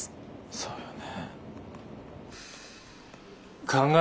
そうよね。